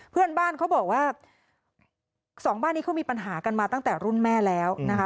เพื่อนบ้านเขาบอกว่าสองบ้านนี้เขามีปัญหากันมาตั้งแต่รุ่นแม่แล้วนะคะ